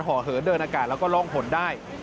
เหินเดินอากาศแล้วก็ร่องหนได้